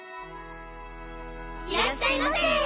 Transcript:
いらっしゃいませ！